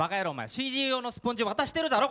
ＣＤ用のスポンジ渡してるだろ